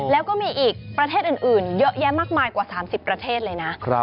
แล้วก็มีอีกประเทศอื่นเยอะแยะมากมายกว่า๓๐ประเทศเลยนะ